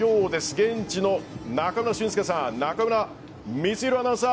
現地の中村俊輔さん中村光宏アナウンサー